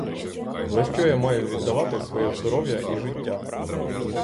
За що я маю віддавати своє здоров'я і життя?